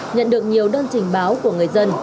nhận được nhiều đơn trình báo của người dân